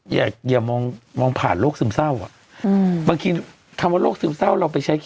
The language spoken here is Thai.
อย่าอย่ามองมองผ่านโรคซึมเศร้าอ่ะอืมบางทีคำว่าโรคซึมเศร้าเราไปใช้